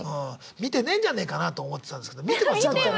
見てねえんじゃねえかなと思ってたんですけど見てますねこれは。